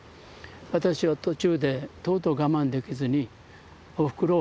私は途中でとうとう我慢できずに「おふくろ